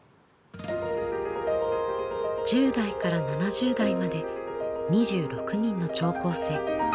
１０代から７０代まで２６人の聴講生。